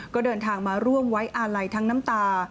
ก็เดินทางมาร่วมไว้อาลัยทั้งน้ำตา